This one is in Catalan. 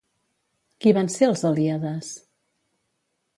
Qui van ser els Helíades?